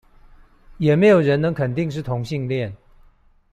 也沒有人能肯定是同性戀